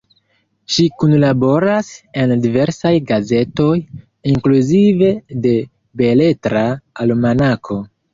Ŝi kunlaboras en diversaj gazetoj, inkluzive de Beletra Almanako.